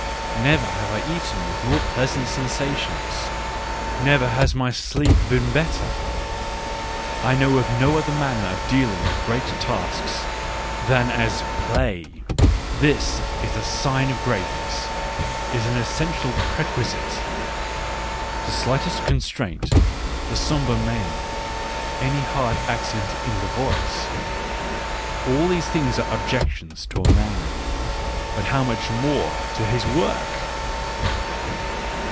Never have I eaten with more pleasant sen sations, never has my sleep been better. I know of no other manner of dealing with great tasks, than as play : this, as a sign of greatness, is an essential prerequisite. The slightest constraint, a sombre mien, any hard accent in the voice — all these things are objections to a man, but how much more to his work